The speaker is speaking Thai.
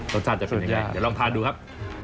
จะเป็นยังไงเดี๋ยวลองทานดูครับ